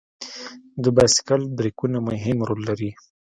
د بایسکل بریکونه مهم رول لري.